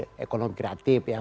menteri ekonomi kreatif ya